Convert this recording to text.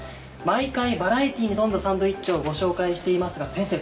毎回バラエティーに富んだサンドイッチをご紹介していますが先生